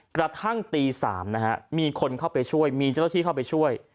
กระทั่งตี๓นะฮะมีคนเข้าไปช่วยมีเจ้าหน้าที่เข้าไปช่วย